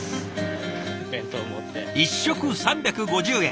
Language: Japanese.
１食３５０円。